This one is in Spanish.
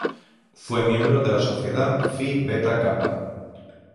Fue miembro de la sociedad Phi Beta Kappa.